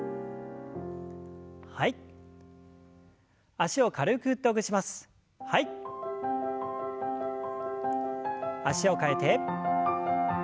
脚を替えて。